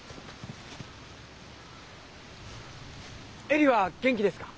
恵里は元気ですか？